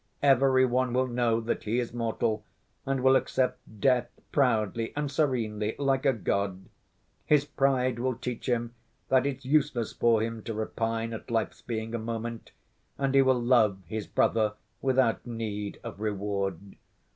Every one will know that he is mortal and will accept death proudly and serenely like a god. His pride will teach him that it's useless for him to repine at life's being a moment, and he will love his brother without need of reward.